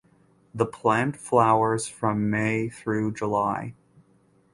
The plant flowers from May through July.